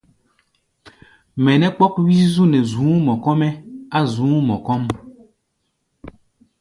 Mɛ nɛ́ kpɔ́k wí-zúzú nɛ zu̧ú̧ mɔ kɔ́-mɛ́ á̧ zu̧ú̧ mɔ kɔ́ʼm.